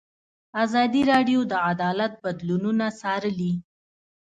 ازادي راډیو د عدالت بدلونونه څارلي.